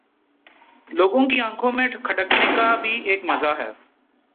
لوگوں کی آنکھوں میں کھٹکنے کا بھی ایک مزہ ہے